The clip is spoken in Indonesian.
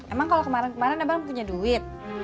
emang kalau kemarin kemarin abang punya duit